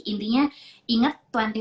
intinya inget dua puluh empat tujuh